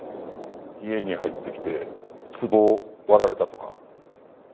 家に入ってきて壺を割られたとか。